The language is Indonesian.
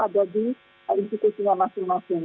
ada di institusinya masing masing